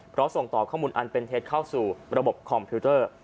เพราะส่งต่อข้อมูลอันเป็นเท็จเข้าสู่ระบบคอมพิวเตอร์